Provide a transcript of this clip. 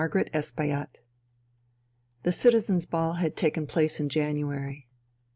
The Citizens' Ball had taken place in January.